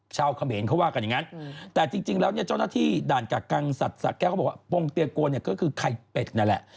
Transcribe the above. เขมรเขาว่ากันอย่างนั้นแต่จริงแล้วเนี่ยเจ้าหน้าที่ด่านกักกังสัตว์สะแก้วเขาบอกว่าปงเตียโกนเนี่ยก็คือไข่เป็ดนั่นแหละ